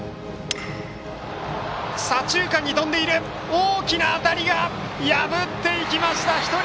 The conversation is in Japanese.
大きな当たりが破っていきました！